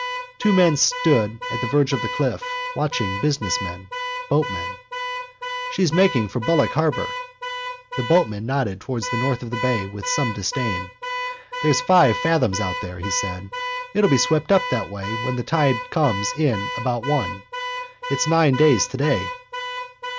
Two men stood at the verge of the cliff, watching: businessman, boatman. —She's making for Bullock harbour. The boatman nodded towards the north of the bay with some disdain. —There's five fathoms out there, he said. It'll be swept up that way when the tide comes in about one. It's nine days today.